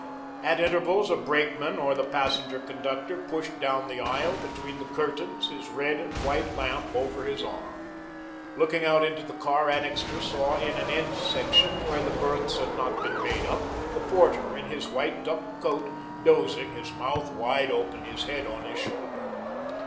At intervals, a brakeman or the passenger conductor pushed down the aisle, between the curtains, his red and white lamp over his arm. Looking out into the car Annixter saw in an end section where the berths had not been made up, the porter, in his white duck coat, dozing, his mouth wide open, his head on his shoulder.